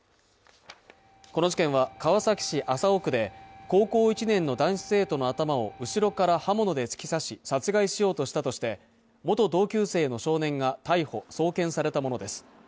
この事件は川崎市麻生区で高校１年の男子生徒の頭を後ろから刃物で突き刺し殺害しようとしたとして元同級生の少年が逮捕送検されたものです